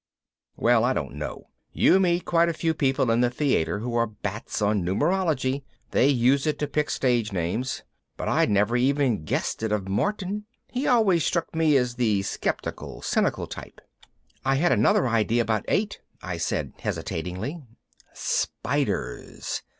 Well, I don't know. You meet quite a few people in the theater who are bats on numerology, they use it to pick stage names. But I'd never have guessed it of Martin. He always struck me as the skeptical, cynical type. "I had another idea about eight," I said hesitatingly. "Spiders.